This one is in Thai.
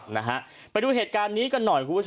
พี่ผู้ชมไปดูเหตุการณ์นี้กันหน่อย